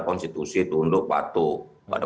konstitusi tunduk patuh pada